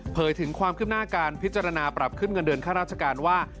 ถึงความคืบหน้าการพิจารณาปรับขึ้นเงินเดือนค่าราชการว่า